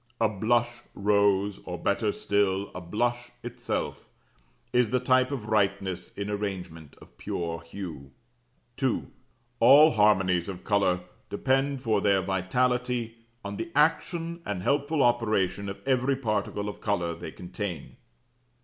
A blush rose (or, better still, a blush itself), is the type of rightness in arrangement of pure hue. 2. ALL HARMONIES OF COLOUR DEPEND FOR THEIR VITALITY ON THE ACTION AND HELPFUL OPERATION OF EVERY PARTICLE OF COLOUR THEY CONTAIN.